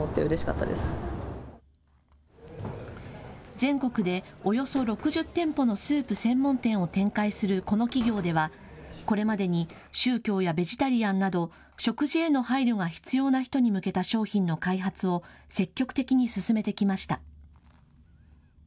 全国でおよそ６０店舗のスープ専門店を展開するこの企業では、これまでに宗教やベジタリアンなど食事への配慮が必要な人に向けた商品の開発を積極的に進めてきました。